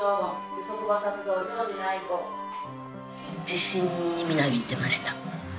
自信にみなぎっていました。